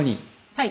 はい。